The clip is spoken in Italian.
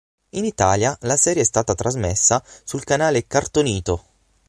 In Italia la serie è stata trasmessa sul canale Cartoonito.